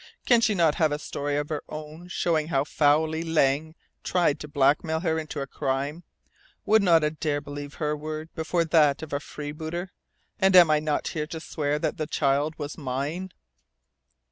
Can she not have a story of her own showing how foully Lang tried to blackmail her into a crime? Would not Adare believe her word before that of a freebooter? And am I not here to swear that the child was mine?"